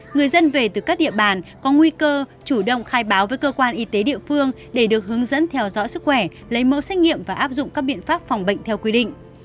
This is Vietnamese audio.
người dân về từ các địa bàn có nguy cơ chủ động khai báo với cơ quan y tế địa phương để được hướng dẫn theo dõi sức khỏe lấy mẫu xét nghiệm và áp dụng các biện pháp phòng bệnh theo quy định